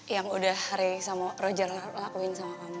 yang udah rey sama roger lakuin sama kamu